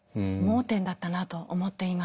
盲点だったなと思っています。